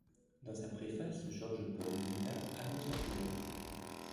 Dans sa préface, Georges-Paul Villa annonce la couleur.